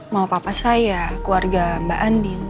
mau apa apa saya keluarga mbak andin